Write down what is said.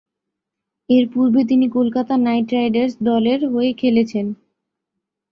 এর পূর্বে তিনি কলকাতা নাইট রাইডার্স দলের হয়ে খেলেছেন।